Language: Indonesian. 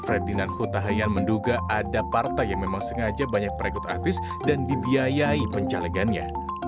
ferdinand kutahayan menduga ada partai yang memang sengaja banyak peregut artis dan dibiayai pencalegannya